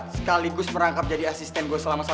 sekaligus merangkap jadi asisten gue selama satu tahun